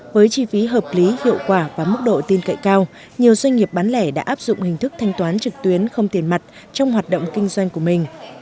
với chi phí hợp lý hiệu quả và mức độ tin cậy cao nhiều doanh nghiệp bán lẻ đã áp dụng hình thức thanh toán trực tuyến không tiền mặt trong hoạt động kinh doanh của mình